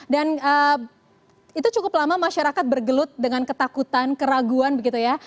dan itu cukup lama masyarakat bergelut dengan ketakutan keraguan begitu ya